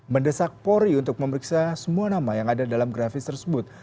mendesak pori untuk memeriksa semua nama yang ada dalam grafis tersebut